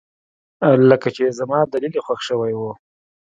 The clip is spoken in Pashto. لکه چې زما دليل يې خوښ شوى و.